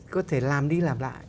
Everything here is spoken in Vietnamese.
có thể làm đi làm lại